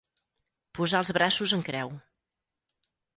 Posar els braços en creu.